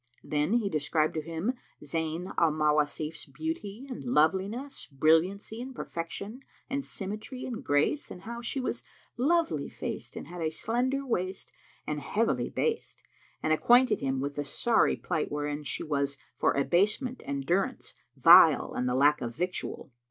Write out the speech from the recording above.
Then he described to him Zayn al Mawasif's beauty and loveliness, brilliancy and perfection, and symmetry and grace and how she was lovely faced and had a slender waist and heavily based; and acquainted him with the sorry plight wherein she was for abasement and durance vile and lack of victual.